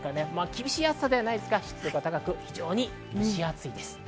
厳しい暑さではないですが湿度が高く非常に蒸し暑いです。